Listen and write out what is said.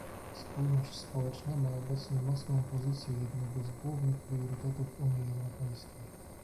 Spójność społeczna ma obecnie mocną pozycję jednego z głównych priorytetów Unii Europejskiej